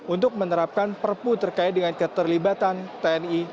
untuk menerapkan perpu terkait dengan keterlibatan tni